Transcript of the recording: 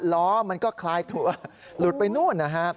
ล้อมันก็คลายตัวหลุดไปนู่นนะฮะ